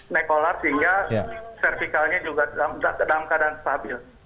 nekolar sehingga cerdikalnya juga dalam keadaan stabil